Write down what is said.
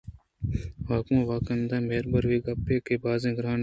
حاکم ءُواکدار ءِ مہر باوری گپے؟ اے باز گران اِنت